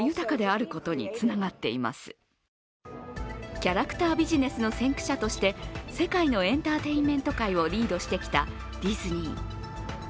キャラクタービジネスの先駆者として世界のエンターテインメント界をリードしてきたディズニー。